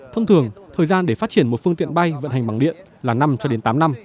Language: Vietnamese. thông thường thời gian để phát triển một phương tiện bay vận hành bằng điện là năm cho đến tám năm